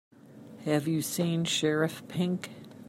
Have you seen Sheriff Pink?